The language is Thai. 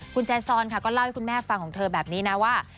คุณแจซอนค่ะก็เล่าให้คุณแม่ฟังของเธอแบบนี้นะว่า